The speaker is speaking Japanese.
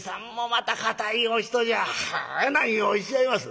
『はあ何をおっしゃいます。